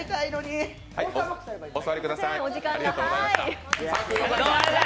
ハイ、お座りください。